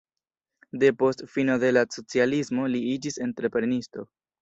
Depost fino de la socialismo li iĝis entreprenisto.